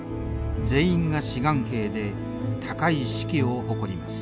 全員が志願兵で高い士気を誇ります。